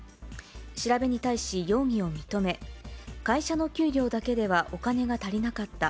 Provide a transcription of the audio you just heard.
調べに対し容疑を認め、会社の給料だけではお金が足りなかった。